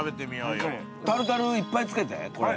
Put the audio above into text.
タルタルいっぱい付けてこれ。